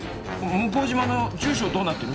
向島の住所どうなってる？